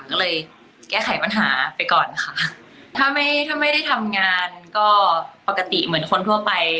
ก็เลยแก้ไขปัญหาไปก่อนค่ะถ้าไม่ถ้าไม่ได้ทำงานก็ปกติเหมือนคนทั่วไป